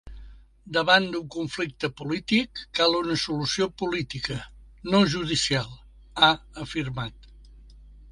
Davant d’un conflicte polític, cal una solució política, no judicial, ha afirmat.